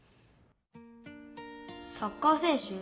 サッカー選手？